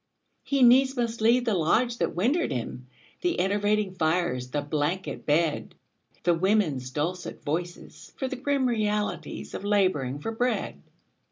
He needs must leave the lodge that wintered him, The enervating fires, the blanket bed The women's dulcet voices, for the grim Realities of labouring for bread.